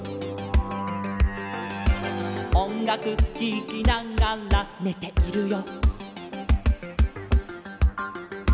「おんがくききながらねているよ」